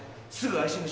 アイシング？